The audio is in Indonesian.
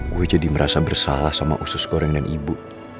gue jadi merasa bersalah sama usus goreng dan ibu